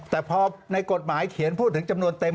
แต่พอในกฎหมายเขียนพูดถึงจำนวนเต็ม